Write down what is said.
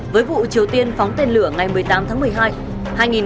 với vụ triều tiên phóng tên lửa ngày một mươi tám tháng một mươi hai